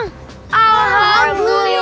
galau jadi justru